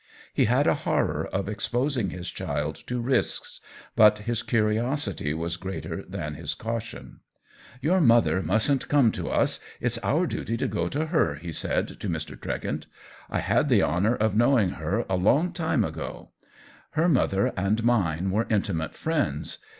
He had a horror of exposing his child to risks, but his curiosity was greater than his cau tion. " Your mother mustn't come to us — it's our duty to go to her," he said to Mr. Tregent ;" I had the honor of knowing her — a long time ago. Her mother and mine were intimate friends.